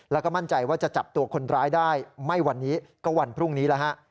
แล้วก็มั่นใจว่าจะจับตัวคนร้ายได้ไม่วันนี้ก็วันพรุ่งนี้แล้วฮะ